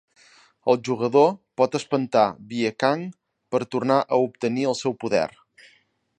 El jugador pot espantar Viekang per tornar a obtenir el seu poder.